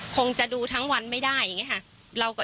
คงจะดูทั้งวันไม่ได้อย่างนี้ค่ะ